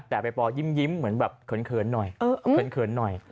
แต่ใบปอยิ้มเหมือนแบบเขินหน่อยเขินหน่อย